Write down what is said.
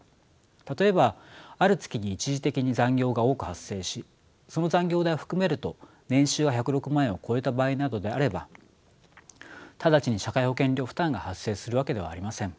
例えばある月に一時的に残業が多く発生しその残業代を含めると年収が１０６万円を超えた場合などであれば直ちに社会保険料負担が発生するわけではありません。